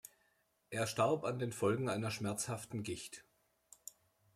Er starb an den Folgen einer schmerzhaften Gicht.